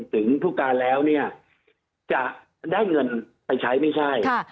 ถึงผู้การแล้วเนี่ยจะได้เงินไปใช้ไม่ใช่